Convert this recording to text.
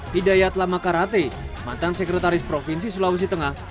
hidayat lamakarate mantan sekretaris provinsi sulawesi tengah